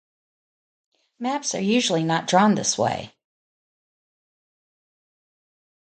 Maps are usually not drawn this way.